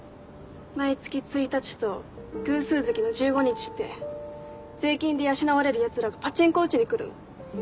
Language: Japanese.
毎月一日と偶数月の１５日って税金で養われるヤツらがパチンコ打ちに来るの。